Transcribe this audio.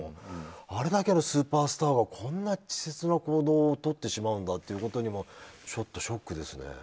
あれだけのスーパースターがこんなに稚拙な行動をとってしまうんだということにもちょっとショックですね。